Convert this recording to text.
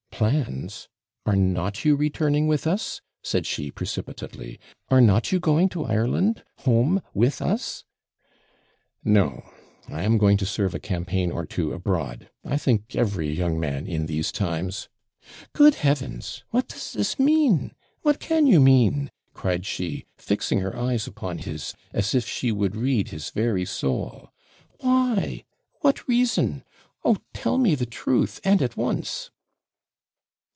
'Plans! are not you returning with us?' said she, precipitately; 'are not you going to Ireland home with us?' 'No I am going to serve a campaign or two abroad. I think every young man in these times ' 'Good heavens! What does this mean? What can you mean?' cried she, fixing her eyes upon his, as if she would read his very soul. 'Why? what reason? Oh, tell me the truth and at once.'